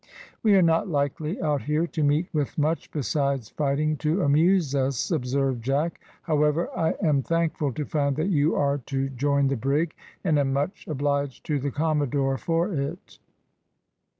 "We are not likely out here to meet with much besides fighting to amuse us," observed Jack. "However, I am thankful to find that you are to join the brig, and am much obliged to the commodore for it."